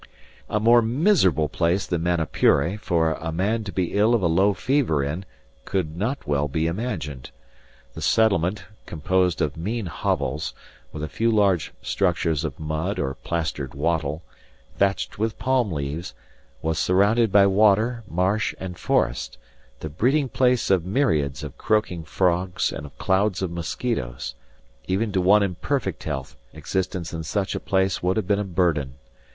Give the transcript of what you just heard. A more miserable place than Manapuri for a man to be ill of a low fever in could not well be imagined. The settlement, composed of mean hovels, with a few large structures of mud, or plastered wattle, thatched with palm leaves, was surrounded by water, marsh, and forest, the breeding place of myriads of croaking frogs and of clouds of mosquitoes; even to one in perfect health existence in such a place would have been a burden.